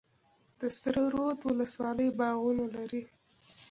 د سره رود ولسوالۍ باغونه لري